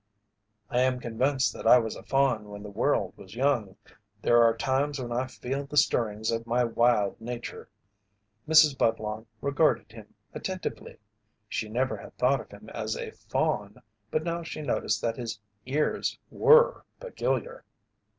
"I am convinced that I was a faun when the world was young. There are times when I feel the stirrings of my wild nature." Mrs. Budlong regarded him attentively. She never had thought of him as a faun but now she noticed that his ears were peculiar.